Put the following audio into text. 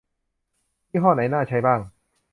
ยี่ห้อไหนน่าใช้บ้าง